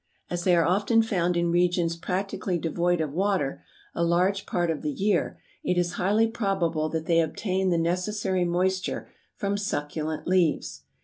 As they are often found in regions practically devoid of water, a large part of the year, it is highly probable that they obtain the necessary moisture from succulent leaves.